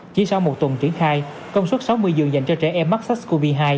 chỉ sau một tuần triển khai công suất sáu mươi giường dành cho trẻ em mắc sars cov hai